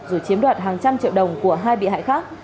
rồi chiếm đoạt hàng trăm triệu đồng của hai bị hại khác